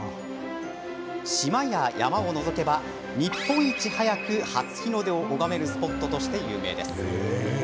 島や山を除けば日本一早く初日の出を拝めるスポットとして有名です。